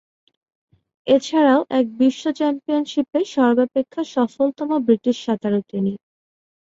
এছাড়াও, এক বিশ্ব চ্যাম্পিয়নশীপে সর্বাপেক্ষা সফলতম ব্রিটিশ সাঁতারু তিনি।